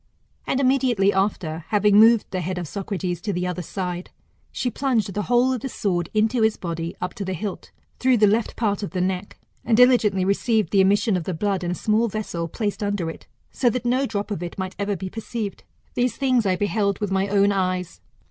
] And immediately after, having moved the head of Socrates to the other side, she plunged the whole of the sword into his body up to the hilt, through the left part of the neck, and diligently received the emission of the blood in a small vessel placed under it, so that no drop of it might ever be perceived. These things I beheld with my own eyes.